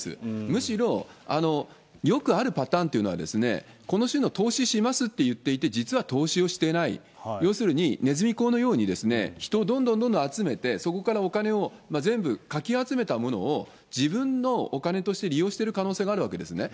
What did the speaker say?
むしろ、よくあるパターンというのは、この種の投資しますと言っていて、実は投資をしていない、要するにねずみ講のように、人をどんどんどん集めて、そこからお金を全部かき集めたものを、自分のお金として利用してる可能性があるわけですね。